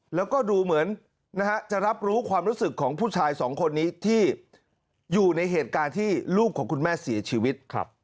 แล้วก็ดูเหมือนจะรับรู้ความรู้สึกของผู้ชายสองคนนี้ที่อยู่ในเหตุการณ์ที่ลูกของคุณแม่เสียชีวิต